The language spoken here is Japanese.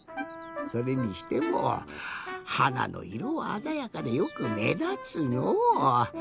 それにしてもはなのいろはあざやかでよくめだつのう。